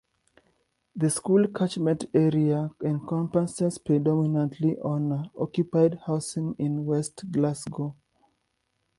The school catchment area encompasses predominantly owner-occupied housing in West Glasgow.